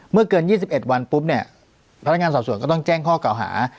เกิน๒๑วันปุ๊บเนี่ยพนักงานสอบสวนก็ต้องแจ้งข้อเก่าหา